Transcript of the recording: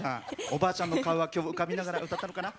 おばあちゃんの顔は、きょう浮かびながら歌ったのかな。